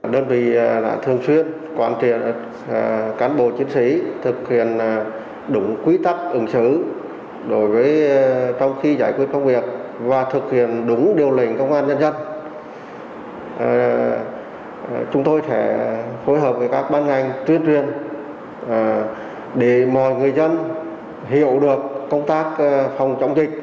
để mọi người dân hiểu được công tác phòng chống dịch